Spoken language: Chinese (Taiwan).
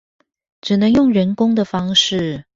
只能用人工的方式